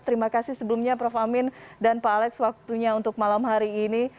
terima kasih sebelumnya prof amin dan pak alex waktunya untuk malam hari ini